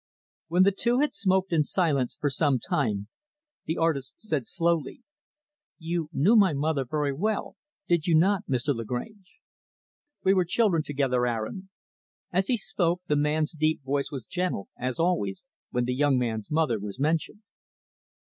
When the two had smoked in silence, for some time, the artist said slowly, "You knew my mother very well, did you not, Mr. Lagrange?" "We were children together, Aaron." As he spoke, the man's deep voice was gentle, as always, when the young man's mother was mentioned.